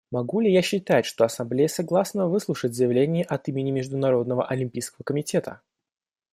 Могу ли я считать, что Ассамблея согласна выслушать заявление от имени Международного олимпийского комитета?